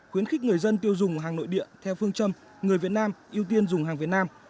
khuyến khích người dân tiêu dùng hàng nội địa theo phương châm người việt nam ưu tiên dùng hàng việt nam